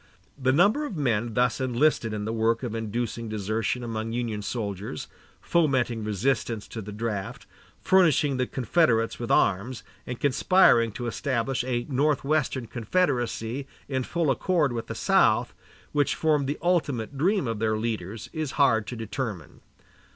The number of men thus enlisted in the work of inducing desertion among Union soldiers, fomenting resistance to the draft, furnishing the Confederates with arms, and conspiring to establish a Northwestern Confederacy in full accord with the South, which formed the ultimate dream of their leaders, is hard to determine.